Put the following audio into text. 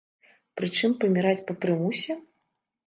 Пры чым паміраць па прымусе?